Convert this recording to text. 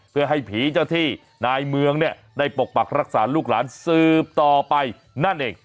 เพื่อให้ผีเจ้าที่นายเมืองเนี่ยได้ปกปักรักษาลูกหลานสืบต่อไปนั่นเอง